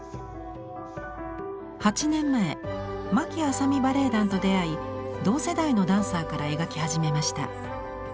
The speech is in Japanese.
８年前牧阿佐美バレヱ団と出会い同世代のダンサーから描き始めました。